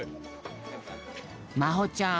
まほちゃん